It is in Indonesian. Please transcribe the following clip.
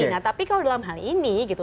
nah tapi kalau dalam hal ini gitu